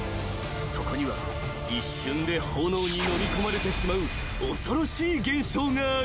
［そこには一瞬で炎にのみ込まれてしまう恐ろしい現象がある］